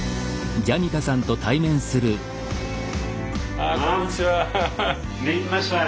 あこんにちは。